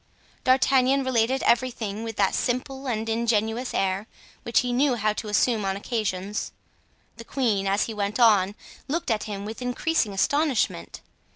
D'Artagnan related everything with that simple and ingenuous air which he knew how to assume on occasions. The queen, as he went on, looked at him with increasing astonishment.